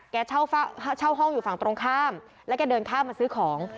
เช่าห้องอยู่ฝั่งตรงข้ามแล้วแกเดินข้ามมาซื้อของ